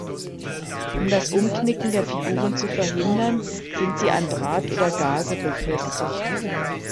Um das Umknicken der Figuren zu verhindern, sind sie an Draht oder Gaze befestigt.